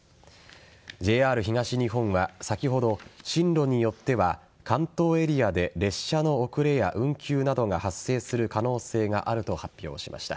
ＪＲ東日本は先ほど進路によっては関東エリアで列車の遅れや運休などが発生する可能性があると発表しました。